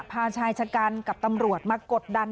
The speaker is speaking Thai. พาชายชะกันกับตำรวจมากดดัน